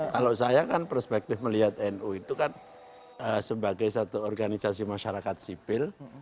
kalau saya kan perspektif melihat nu itu kan sebagai satu organisasi masyarakat sipil